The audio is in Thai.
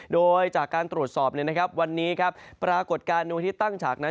โดยจากการตรวจสอบวันนี้ปรากฏการณ์บันไดตั้งฉากนั้น